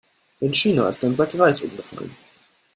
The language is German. In China ist ein Sack Reis umgefallen.